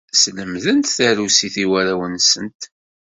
Slemdent tarusit i warraw-nsent.